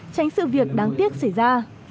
tránh sự việc đáng tiếc xảy ra